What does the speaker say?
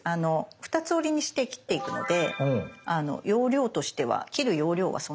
２つ折りにして切っていくので容量としては切る容量はそんなにないという切り絵です。